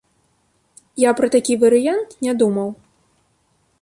Я пра такі варыянт не думаў.